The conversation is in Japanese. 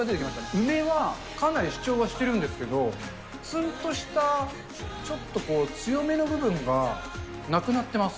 梅はかなり主張はしてるんですけど、つんとしたちょっと強めの部分が、なくなってます。